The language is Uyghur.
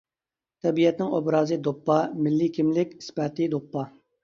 تەبىئەتنىڭ ئوبرازى دوپپا، مىللىي كىملىك ئىسپاتى دوپپا.